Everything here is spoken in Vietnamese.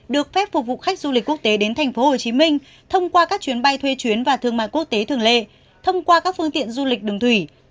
được phép phục vụ khách du lịch quốc tế đến tp hcm thông qua các chuyến bay thuê chuyến và thương mại quốc tế thường lệ thông qua các phương tiện du lịch đường thủy